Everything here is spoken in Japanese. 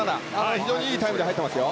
非常にいいタイムで入っていますよ。